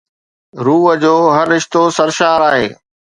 روح جو هر رشتو سرشار آهي